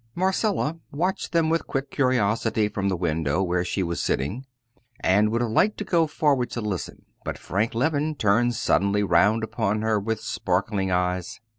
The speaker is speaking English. Marcella watched them with quick curiosity from the window where she was sitting, and would have liked to go forward to listen. But Frank Leven turned suddenly round upon her with sparkling eyes.